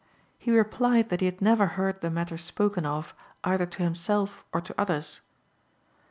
He replied that he had never heard the matter spoken of either to himself or to others.